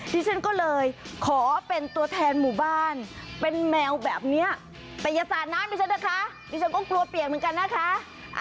ดิฉันก็เลยขอเป็นตัวแทนหมู่บ้านเป็นแมวแบบนี้แต่อย่าสาดน้ำดิฉันนะคะดิฉันก็กลัวเปียกเหมือนกันนะคะ